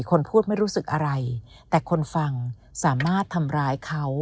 คนพูดไม่รู้สึกอะไรแต่คนฟังสามารถทำร้ายเขา